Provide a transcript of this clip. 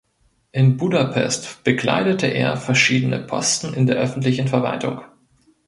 In Budapest bekleidete er verschiedene Posten in der öffentlichen Verwaltung.